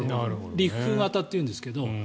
陸封型っていうんですけど。